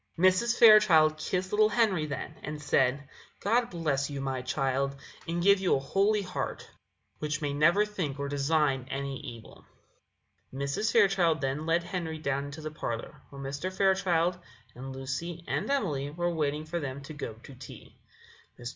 Mrs. Fairchild kissed little Henry then, and said: "God bless you, my child, and give you a holy heart, which may never think or design any evil." Mrs. Fairchild then led Henry down into the parlour, where Mr. Fairchild and Lucy and Emily were waiting for them to go to tea. Mr.